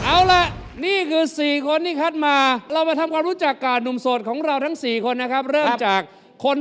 มาดูกันว่าหนุ่มโสดทั้ง๔คนจะถึงใจสาวโสดของเราขนาดไหน